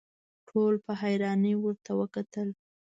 ټولو په حيرانۍ ورته وکتل.